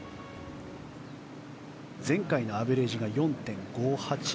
前回のアベレージが４．５８